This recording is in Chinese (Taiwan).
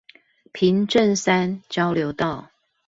平鎮三交流道